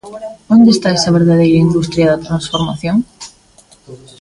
¿Onde está esa verdadeira industria da transformación?